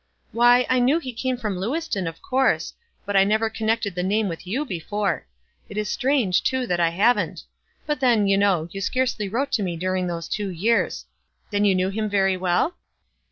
"Why, I knew he came from Lewiston, of course ; but I never connected the name with you before. It is strange, too, that I haven't ; but then, you know, you scarcely wrote to me during those two years. Then you knew him very well?"